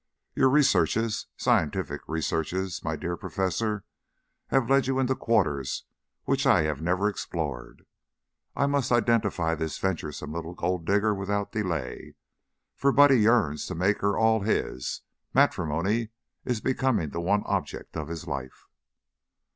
Your researches scientific researches, my dear Professor have led you into quarters which I have never explored. I must identify this venturesome little gold digger without delay, for Buddy yearns to make her all his; matrimony is becoming the one object of his life."